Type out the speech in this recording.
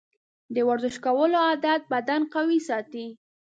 د ورزش کولو عادت بدن قوي ساتي.